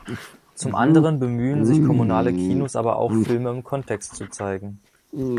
Zum anderen bemühen sich Kommunale Kinos aber auch Filme im Kontext zu zeigen.